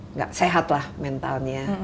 nggak sehat lah mentalnya